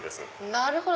なるほど！